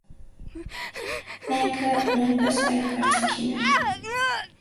Նա ինքը նույնպես այդ կարծիքին էր։